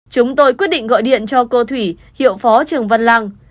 chúng tôi quyết định gọi điện cho cô thủy hiệu phó trường văn lang